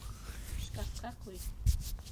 Шкафҡа ҡуй...